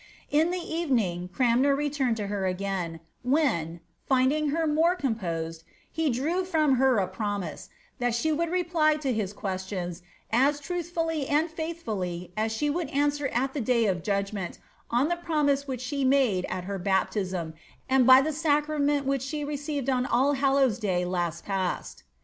* In the evening Cranmer returned to her again, when, finding het more composed, he drew from her a promise, ^ that she would reply to his questions as truly and faithfully as she would answer at the day of judgment, on the promise which she made at her baptism, and by the sacrament which she received on All Hallows' day last past."